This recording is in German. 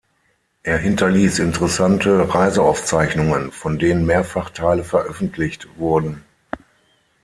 Er hinterließ interessante Reiseaufzeichnungen, von denen mehrfach Teile veröffentlicht wurden.